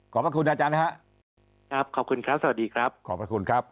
พระคุณอาจารย์นะครับขอบคุณครับสวัสดีครับขอบพระคุณครับ